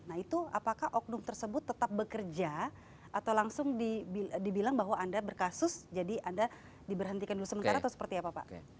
nah itu apakah oknum tersebut tetap bekerja atau langsung dibilang bahwa anda berkasus jadi anda diberhentikan dulu sementara atau seperti apa pak